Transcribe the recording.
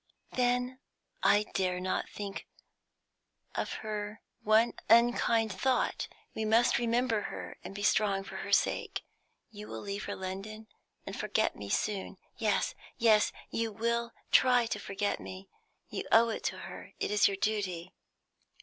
"Then I dare not think of her one unkind thought. We must remember her, and be strong for her sake. You will leave London and forget me soon, yes, yes, you will try to forget me. You owe it to her; it is your duty."